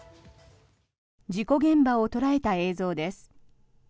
事故現場を捉えた映像です。